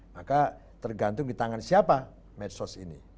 maka tergantung di tangan siapa medsos ini